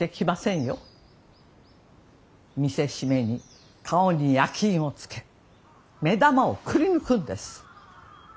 見せしめに顔に焼き印をつけ目玉をくりぬくんです！